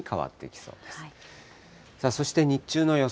そして日中の予想